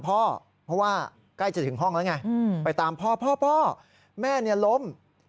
เพราะว่าใกล้จะถึงห้องแล้วไงไปตามพ่อพ่อแม่ล้ม